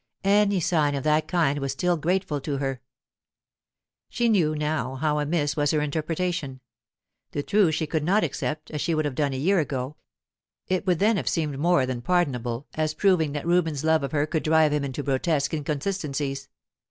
Any sign of that kind was still grateful to her. She knew now how amiss was her interpretation. The truth she could not accept as she would have done a year ago; it would then have seemed more than pardonable, as proving that Reuben's love of her could drive him into grotesque inconsistencies.